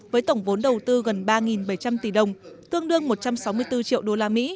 với tổng vốn đầu tư gần ba bảy trăm linh tỷ đồng tương đương một trăm sáu mươi bốn triệu usd